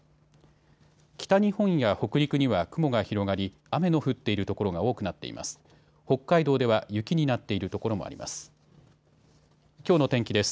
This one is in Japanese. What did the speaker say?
北日本や北陸には雲が広がり雨の降っている所が多くなっています。